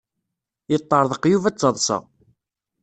Yeṭṭeṛḍeq Yuba d taḍsa.